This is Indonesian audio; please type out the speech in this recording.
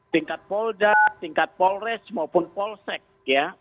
tingkat polda tingkat polres maupun polsek ya